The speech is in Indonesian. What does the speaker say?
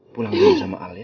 pulang dulu sama al ya